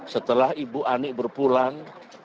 setelah ibu anik berpulang